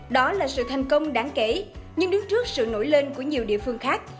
đó là sự thành công đáng kể nhưng đứng trước sự nổi lên của nhiều địa phương khác